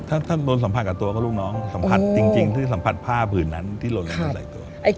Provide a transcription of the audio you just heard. ถ้าโดนสัมผัสกับตัวก็ลูกน้องสัมผัสจริงที่สัมผัสผ้าผื่นนั้นที่หล่นลงมาใส่ตัว